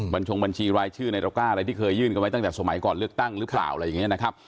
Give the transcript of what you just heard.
ชงบัญชีรายชื่อในตระก้าอะไรที่เคยยื่นกันไว้ตั้งแต่สมัยก่อนเลือกตั้งหรือเปล่าอะไรอย่างนี้นะครับ